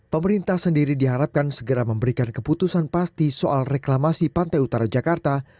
pemerintah sendiri diharapkan segera memberikan keputusan pasti soal reklamasi pantai utara jakarta